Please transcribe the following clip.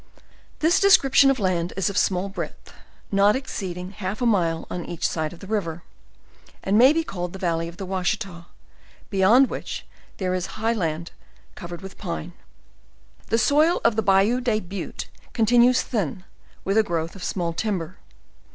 This description of land is of small breadth, not exceeding half a mile on each side of the river; and may be called the valley of the Washita, beyond which there. is a high land covered with pine. The soil of the "Bayou des Buttes," continues thin, with a growth of small timber.